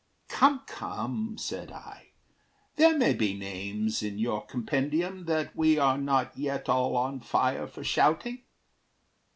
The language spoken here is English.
"Come, come," said I; "There may be names in your compendium That we are not yet all on fire for shouting.